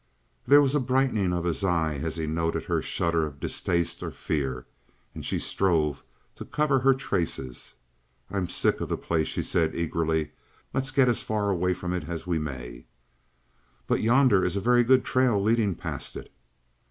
There was a brightening of his eye as he noted her shudder of distaste or fear, and she strove to cover her traces. "I'm sick of the place," she said eagerly. "Let's get as far from it as we may." "But yonder is a very good trail leading past it."